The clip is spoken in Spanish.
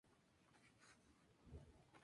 Es más frecuente en mujeres.